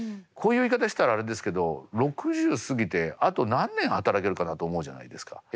こういう言い方したらあれですけど６０過ぎてあと何年働けるかだと思うじゃないですか。